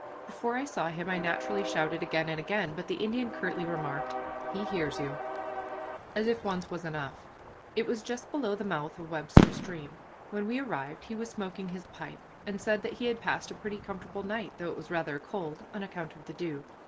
Before I saw him I naturally shouted again and again, but the Indian curtly remarked, "He hears you," as if once was enough. It was just below the mouth of Webster Stream. When we arrived he was smoking his pipe, and said that he had passed a pretty comfortable night, though it was rather cold, on account of the dew.